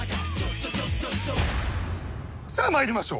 さあ参りましょう。